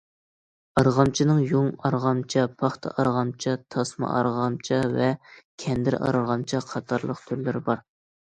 ئارغامچىنىڭ يۇڭ ئارغامچا، پاختا ئارغامچا، تاسما ئارغامچا ۋە كەندىر ئارغامچا قاتارلىق تۈرلىرى بار.